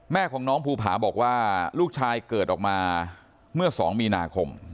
แม่ของน้องภูผาบอกว่าลูกชายเกิดออกมาเมื่อ๒มีนาคม